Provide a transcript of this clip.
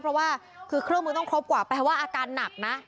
เพราะว่าคือเครื่องมือต้องครบกว่าแปลว่าอาการหนักนะ